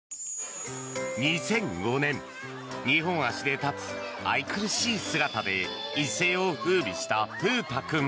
２００５年、二本足で立つ愛くるしい姿で一世を風靡した風太君。